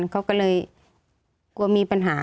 กลัวมีปัญหา